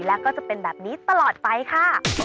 แล้วก็จะเป็นแบบนี้ตลอดไปค่ะ